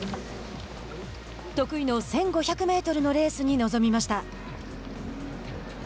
得意の１５００メートルのレースに臨みました。